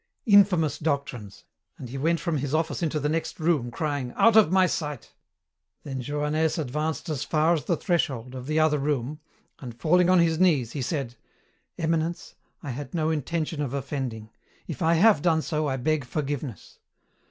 "'Infamous doctrines!' and he went from his office into the next room, crying, 'Out of my sight!' "Then Johannès advanced as far as the threshold of the other room, and falling on his knees, he said, 'Eminence, I had no intention of offending. If I have done so, I beg forgiveness.'